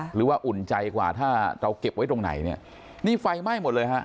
อุ่นใจกว่าถ้าเราเก็บไว้ตรงไหนเนี่ยนี่ไฟไหม้หมดเลยฮะ